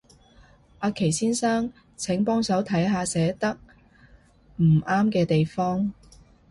阿祁先生，請幫手睇下寫得唔啱嘅地方